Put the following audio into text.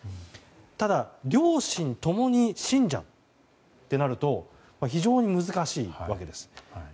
ただ、両親共に信者となると非常に難しいわけです。